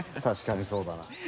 確かにそうだな。